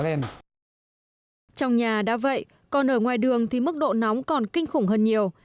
trong nhà đã vậy còn ở ngoài đường thì mức độ nóng còn kinh khủng hơn nhiều